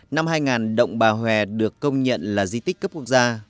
năm hai nghìn động bà hòe được công nhận là di tích cấp quốc gia